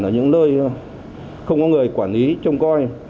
ở những nơi không có người quản lý trông coi